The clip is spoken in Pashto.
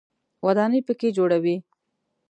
ودانۍ په کې جوړوي.